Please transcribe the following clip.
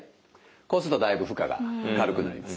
こうするとだいぶ負荷が軽くなります。